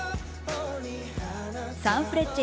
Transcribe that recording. サンフレッチェ